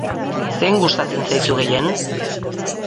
Zein gustatzen zaizu gehien?